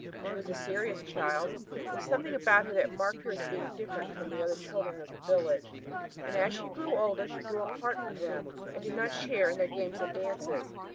She was a serious child, with something about her that marked her as being different from the other children of the village, and as she grew older she grew apart from them and did not share their games and dances.